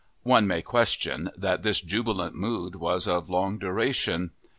One may question that this jubilant mood was of long duration.